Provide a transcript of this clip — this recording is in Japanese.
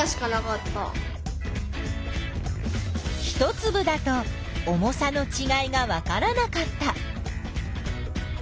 一つぶだと重さのちがいがわからなかった。